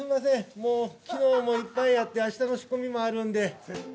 もう、きのうもいっぱいやって、あしたの仕込みもあるんで。